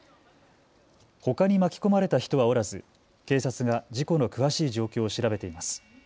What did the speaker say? ほかに巻き込まれた人はおらず警察が事故の詳しい状況を調べています。